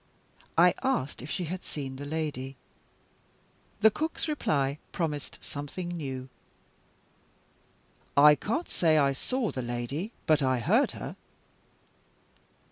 I asked if she had seen the lady. The cook's reply promised something new: "I can't say I saw the lady; but I heard her."